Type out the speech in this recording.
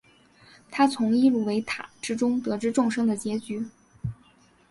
他从伊露维塔之中得知众生的结局。